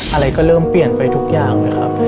อะไรก็เริ่มเปลี่ยนไปทุกอย่างนะครับ